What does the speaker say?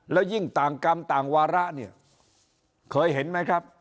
แล้วยิ่งต่างกรรมต่างวาระเนี่ยเคยเห็นไหมครับ